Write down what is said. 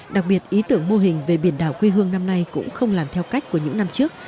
đặc biệt ý tưởng mô hình về biển đảo quê hương năm nay cũng không làm theo cách của những năm trước